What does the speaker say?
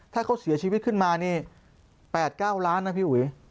ถ้าเขาเสียชีวิตขึ้นมานี่๘๙ล้านนะพี่อุ๋ย